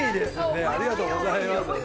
ありがとうございます。